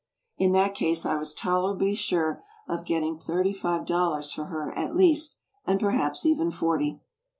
In that case I was tolerably sure of getting thirty five dollan for her at least, and perhaps even forty.